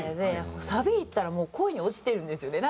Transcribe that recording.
サビいったらもう恋に落ちてるんですよね。